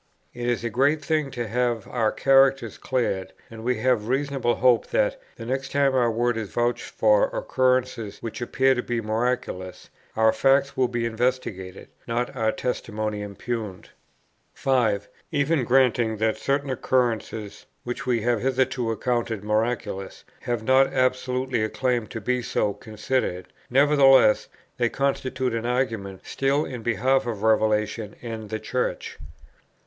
It is a great thing to have our characters cleared; and we may reasonably hope that, the next time our word is vouched for occurrences which appear to be miraculous, our facts will be investigated, not our testimony impugned. 5. Even granting that certain occurrences, which we have hitherto accounted miraculous, have not absolutely a claim to be so considered, nevertheless they constitute an argument still in behalf of Revelation and the Church.